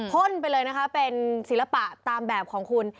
พ่นไปเลยนะคะเป็นศิลปะตามแบบของคุณ